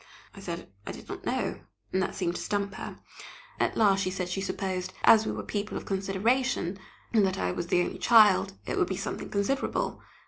I said I did not know, and that seemed to stump her. At last she said she supposed, as we were people of consideration, and that I was the only child, it would be something considerable.